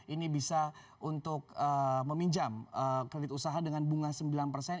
ini bisa untuk meminjam kredit usaha dengan bunga sembilan persen